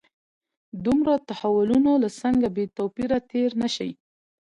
دومره تحولونو له څنګه بې توپیره تېر نه شي.